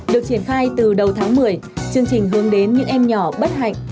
được triển khai từ đầu tháng một mươi chương trình hướng đến những em nhỏ bất hạnh